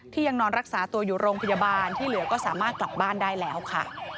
ยังนอนรักษาตัวอยู่โรงพยาบาลที่เหลือก็สามารถกลับบ้านได้แล้วค่ะ